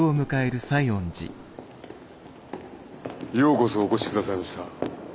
ようこそお越しくださいました。